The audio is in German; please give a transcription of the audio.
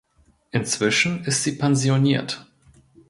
Inzwischen ist sie pensioniert.